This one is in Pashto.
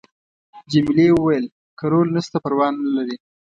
جميلې وويل:: که رول نشته پروا نه لري.